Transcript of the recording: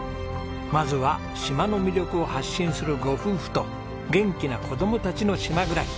まずは島の魅力を発信するご夫婦と元気な子供たちの島暮らし。